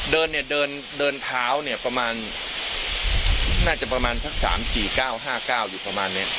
เดินเนี่ยเดินเดินเท้าเนี่ยประมาณน่าจะประมาณสักสามสี่เก้าห้าเก้าอยู่ประมาณนี้